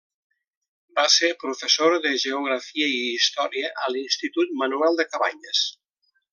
Va ser professora de geografia i història a l'Institut Manuel de Cabanyes.